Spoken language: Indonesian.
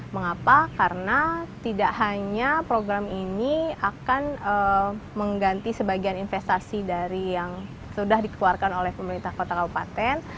mengapa karena tidak hanya program ini akan mengganti sebagian investasi dari yang sudah dikeluarkan oleh pemerintah kota kabupaten